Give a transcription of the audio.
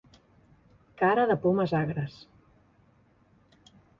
Cara de pomes agres.